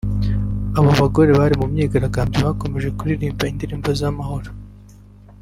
Abo bagore bari mu myigaragambyo bakomeje kuririmba indirimbo z’amahoro